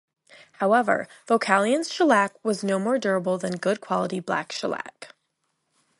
However, Vocalion's shellac was no more durable than good-quality black shellac.